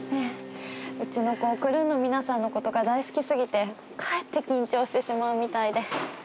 うちの子クルーの皆さんのことが大好き過ぎてかえって緊張してしまうみたいで。